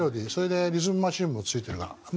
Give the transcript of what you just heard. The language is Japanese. それでリズムマシンも付いてるから。